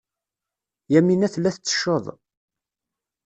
Yamina tella tettecceḍ.